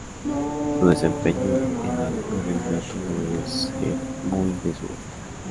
Su desempeño en el virreinato no debió ser muy de su gusto.